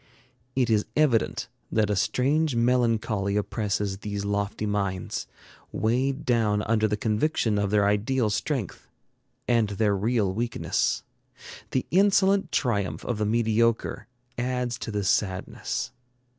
It is evident that a strange melancholy oppresses these lofty minds, weighed down under the conviction of their ideal strength and their real weakness. The insolent triumph of the mediocre adds to this sadness.